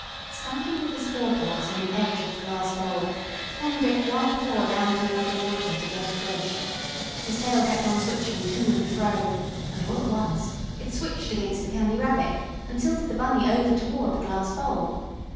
Standing with his forepaws on the edge of the glass bowl, Tom dipped one paw down toward the water to get a fish. His tail kept on switching to and fro, and, all at once, it switched against the Candy Rabbit and tilted the Bunny over toward the glass bowl.